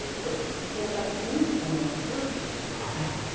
効果的にオノマトペを使って下さい。